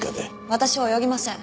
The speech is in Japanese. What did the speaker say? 私泳ぎません。